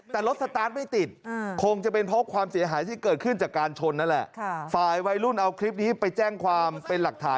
แต่รถสตาร์ทไม่ติดคงจะเป็นเพราะความเสียหายที่เกิดขึ้นจากการชนนั่นแหละ